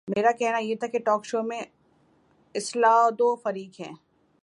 میرا کہنا یہ تھا کہ ٹاک شو میں اصلا دو فریق ہیں۔